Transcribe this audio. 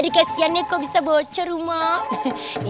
ada kasihan ya kok bisa bocor rumah